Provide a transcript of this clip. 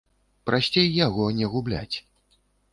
Прасцей яго не губляць.